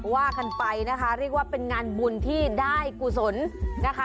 ว่ากันไปนะคะเรียกว่าเป็นงานบุญที่ได้กุศลนะคะ